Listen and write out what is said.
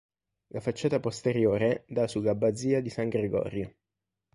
La facciata posteriore dà sull'abbazia di San Gregorio.